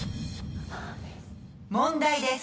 問題です。